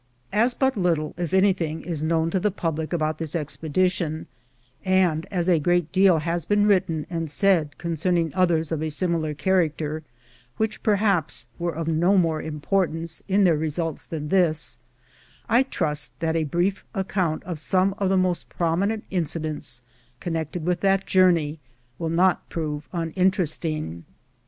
As but little, if any thing, is known to the public about this expedition, and as a great deal has been written and said concerning others of a similar character, which, per haps, were of no more importance in their results than this, I trust that a brief account of some of the most prominent incidents connected with that journey will not prove unin teresting.